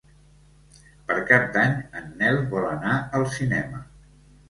Per Cap d'Any en Nel vol anar al cinema.